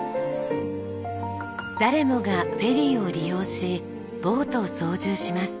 誰もがフェリーを利用しボートを操縦します。